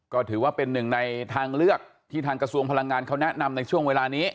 ก็ถือว่าเป็นหนึ่งในทางเลือกที่ทางกระทรวงพลังงานเขาแนะนำในช่วงเวลานี้